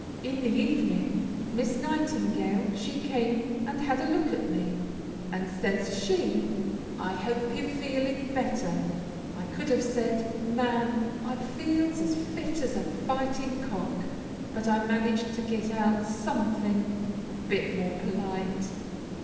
In the evening, Miss Nightingale she came and had a look at me, and says she, 'I hope you're feeling better.' I could have said, 'Ma'am, I feels as fit as a fightin' cock,' but I managed to git out somethin' a bit more polite."